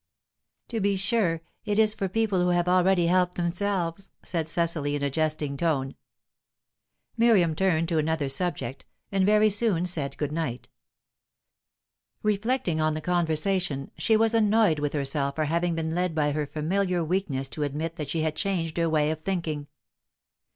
"To be sure; it is for people who have already helped themselves," said Cecily, in a jesting tone. Miriam turned to another subject, and very soon said good night. Reflecting on the conversation, she was annoyed with herself for having been led by her familiar weakness to admit that she had changed her way of thinking.